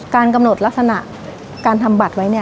กำหนดลักษณะการทำบัตรไว้